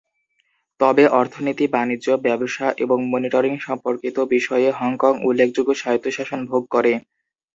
তবে অর্থনীতি, বাণিজ্য, ব্যবসা এবং মনিটরিং সম্পর্কিত বিষয়ে হংকং উল্লেখযোগ্য স্বায়ত্তশাসন ভোগ করে।